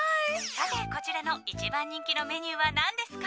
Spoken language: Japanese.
さて、こちらの一番人気のメニューは何ですか？